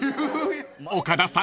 ［岡田さん